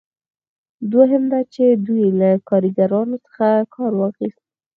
دوهم دا چې دوی له کاریګرانو څخه کار واخیست.